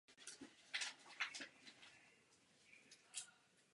Loď byla stavěna ve dvou kusech.